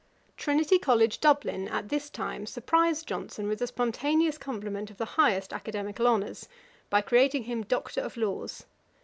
Trinity College, Dublin, at this time surprised Johnson with a spontaneous compliment of the highest academical honours, by creating him Doctor of Laws.